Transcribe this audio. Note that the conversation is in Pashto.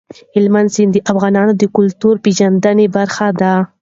هلمند سیند د افغانانو د کلتوري پیژندنې برخه ده.